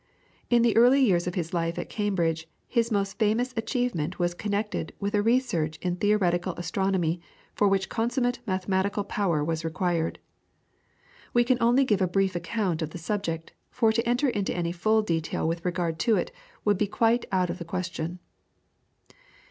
In the early years of his life at Cambridge his most famous achievement was connected with a research in theoretical astronomy for which consummate mathematical power was required. We can only give a brief account of the Subject, for to enter into any full detail with regard to it would be quite out of the question.